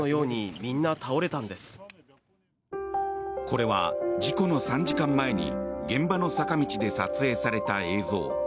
これは事故の３時間前に現場の坂道で撮影された映像。